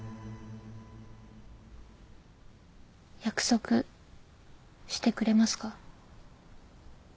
約束してくれますか？